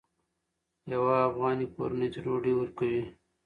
یوه افغاني کورنۍ ته ډوډۍ ورکوئ.